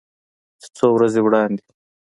چې څو ورځې وړاندې